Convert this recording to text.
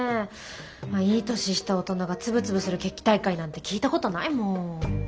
まあいい年した大人がつぶつぶする決起大会なんて聞いたことないもん。